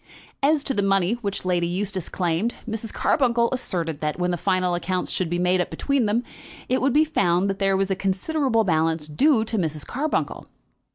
As to the money which Lady Eustace claimed, Mrs. Carbuncle asserted that, when the final accounts should be made up between them, it would be found that there was a considerable balance due to Mrs. Carbuncle.